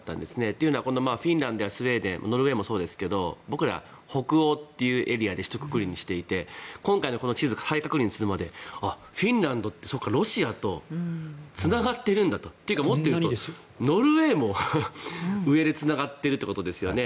というのはフィンランドやスウェーデンノルウェーもそうですけど僕ら、北欧というエリアでひとくくりにしていて今回のこの地図を再確認するまでフィンランドってロシアとつながってるんだと。というか、もっと言うとノルウェーも上でつながってるということですよね。